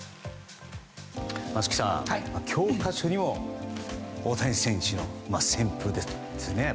松木さん、教科書にも大谷選手の旋風ですね。